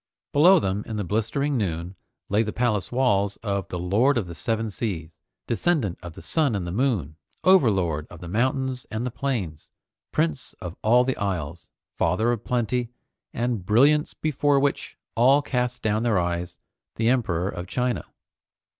Below them in the blistering noon lay the palace walls of the Lord of the Seven Seas, Descendant of the Sun and the Moon, Overlord of the Mountains and the Plains, Prince of all the Isles, Father of Plenty, and Brilliance Before Which All Cast Down Their Eyes, the Emperor of China.